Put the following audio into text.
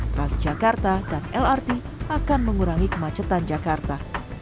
transjakarta dan lrt akan mengurangi kemacetan jakarta